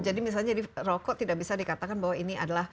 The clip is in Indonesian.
jadi misalnya jadi rokok tidak bisa dikatakan bahwa ini adalah